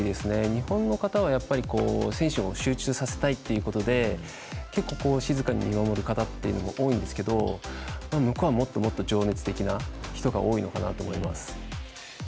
日本の方は、やっぱり選手を集中させたいっていうことで結構、静かに見守る方って多いんですけど向こうは、もっともっと情熱的な人が多いのかなと思います。